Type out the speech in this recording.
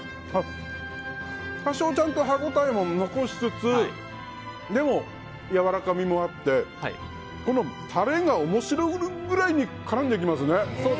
多少ちゃんと歯応えも残しつつでもやわらかみもあってこのタレが面白いくらいに絡んでいきますね。